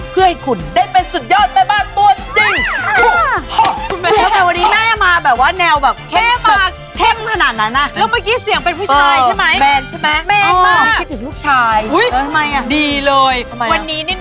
เพื่อให้คุณได้เป็นสุดยอดแม่บ้านตัวจริง